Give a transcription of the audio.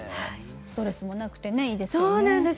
ストレスもなくていいですね。